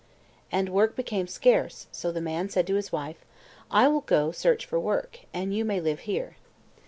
And work became scarce, so the man said to his wife, "I will go search for work, and you may live here."